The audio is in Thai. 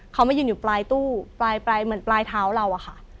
เขามายืนอยู่ปลายตู้ปลายเหมือนปลายเท้าเราอะค่ะ